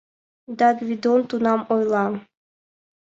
Да Гвидон тунам ойла: